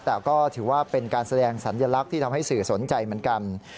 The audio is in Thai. แต่ก็ถือว่าเป็นการแสดงสัญลักษณ์ที่ทำให้สื่อสนใจเหมือนกัน